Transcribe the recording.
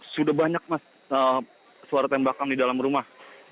sudah banyak mas suara tembakan di dalam rumah